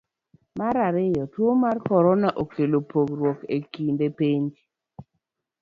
Mar ariyo, tuo mar korona, okelo pogruok e kind pinje.